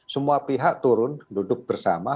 semua pihak turun duduk bersama